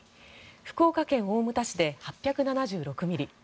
福岡県大牟田市で８７６ミリ